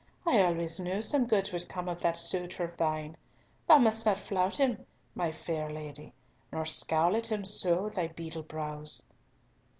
I always knew some good would come of that suitor of thine! Thou must not flout him, my fair lady, nor scowl at him so with thy beetle brows."